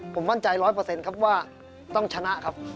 ผมมั่นใจร้อยเปอร์เซ็นต์ครับว่าต้องชนะครับ